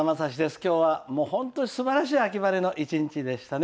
きょうはもう本当にすばらしい秋晴れの一日でしたね。